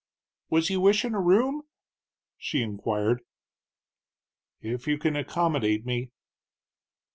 "Was you wishin' a room?" she inquired. "If you can accommodate me."